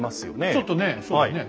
ちょっとねそうだね。